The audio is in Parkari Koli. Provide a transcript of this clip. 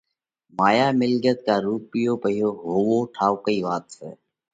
مايا، مِلڳت ڪا رُوپيو پئِيهو هووَو ٺائُوڪئِي وات سئہ